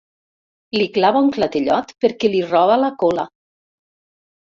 Li clava un clatellot perquè li roba la cola.